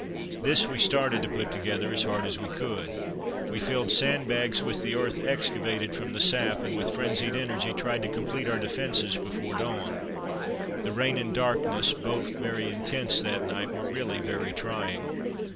This we started to put together as hard as we could. We filled sandbags with the earth excavated from the sap, and with frenzied energy tried to complete our defences before dawn. The rain and darkness, both very intense that night, were really very trying.